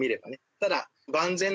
ただ。